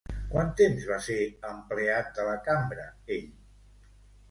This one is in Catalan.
Quant temps va ser empleat de la cambra ell?